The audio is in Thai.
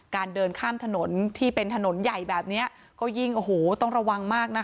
เดินข้ามถนนที่เป็นถนนใหญ่แบบนี้ก็ยิ่งโอ้โหต้องระวังมากนะคะ